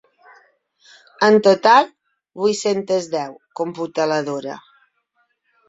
En total, vuit-centes deu —computa la Dora.